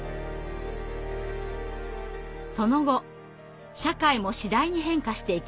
その後社会も次第に変化していきます。